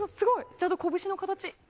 ちゃんと拳の形。